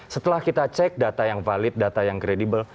setelah kita cek data yang valid data yang kredibel